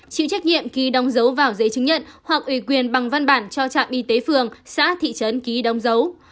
chịu trách nhiệm ký đóng dấu vào giấy chứng nhận hoặc ủy quyền bằng văn bản cho trạm y tế phường xã thị trấn ký đóng dấu